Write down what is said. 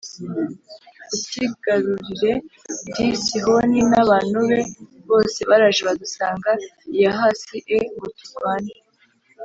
ucyigarurire d Sihoni n abantu be bose baraje badusanga i Yahasi e ngo turwane